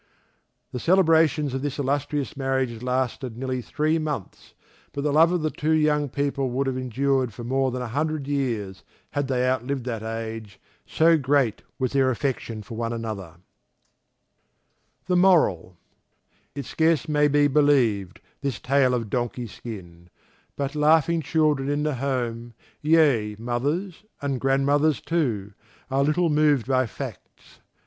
The celebrations of this illustrious marriage lasted nearly three months, but the love of the two young people would have endured for more than a hundred years, had they out lived that age, so great was their affection for one another. The Moral _It scarce may be believed, This tale of Donkey skin; But laughing children in the home; Yea, mothers, and grandmothers too, Are little moved by facts!